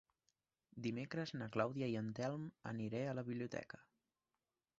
Dimecres na Clàudia i en Telm aniré a la biblioteca.